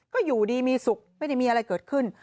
ก็อยู่ดีมีสุขไม่ได้มีอะไรเกิดขึ้น